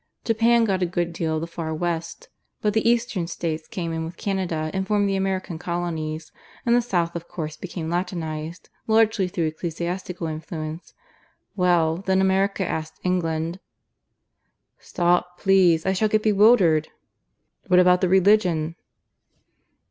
Japan got a good deal of the Far West; but the Eastern States came in with Canada and formed the American Colonies; and the South of course became Latinized, largely through ecclesiastical influence. Well, then America asked England " "Stop, please. I shall get bewildered. What about the religion?"